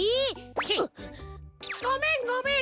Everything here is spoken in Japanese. チッ！ごめんごめん！